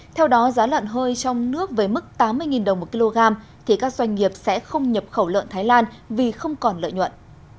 theo đó giá lợn hơi trong nước với mức tám mươi đồng một kg thì các doanh nghiệp sẽ không nhập khẩu lợn thái lan vì không còn lợi nhuận